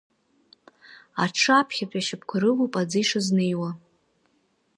Аҽы аԥхьатәи ашьапқәа рылоуп аӡы ишазнеиуа.